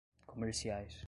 comerciais